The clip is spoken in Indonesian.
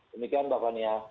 demikian mbak fania